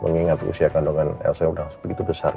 mengingat usia kandungan elsa udah langsung begitu besar